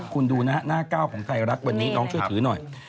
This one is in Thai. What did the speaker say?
คุณดูนะฮะหน้าก้าวของไทยรัฐวันนี้น้องช่วยถือหน่อย